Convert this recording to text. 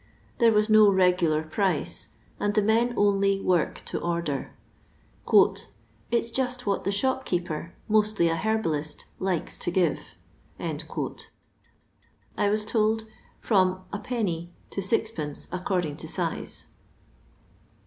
There was no regular price, and the men only " work to order." It 's just what Uie shopkeeper, mostly a herbalist, likes to give." I was told, from \d, to 6d. according to size.